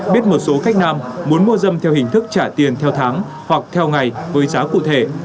biết một số khách nam muốn mua dâm theo hình thức trả tiền theo tháng hoặc theo ngày với giá cụ thể